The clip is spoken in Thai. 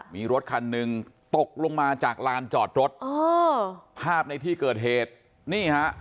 มีรถคันหนึ่งตกลงมาจากลานจอดรถอ๋อภาพในที่เกิดเหตุนี่ฮะ